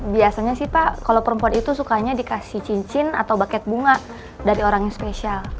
biasanya sih pak kalau perempuan itu sukanya dikasih cincin atau buket bunga dari orang yang spesial